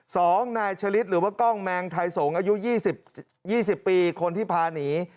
สองนายเฉลิตหรือว่ากล้องแมงไทยสงฯอายุ๒๐ปีคนที่พาหนี